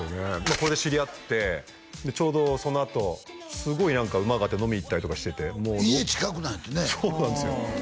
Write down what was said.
これで知り合ってちょうどそのあとすごい馬が合って飲みに行ったりとかしてて家近くなんやってねそうなんですよ